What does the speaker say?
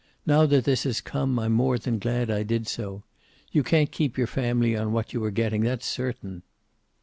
Now that this has come I'm more than glad I did so. You can't keep your family on what you are getting. That's certain."